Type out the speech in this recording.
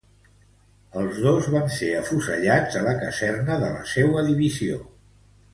Els dos van ser afusellats a la caserna de la seua divisió.